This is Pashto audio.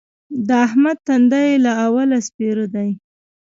د احمد تندی له اوله سپېره دی.